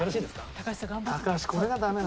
高橋さん頑張って。